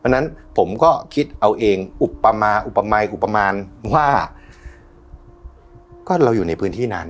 เพราะฉะนั้นผมก็คิดเอาเองอุปมาอุปมัยอุปมานว่าก็เราอยู่ในพื้นที่นั้น